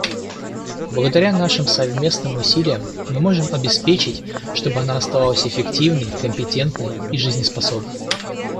Благодаря нашим совместным усилиям мы можем обеспечить, чтобы она оставалась эффективной, компетентной и жизнеспособной.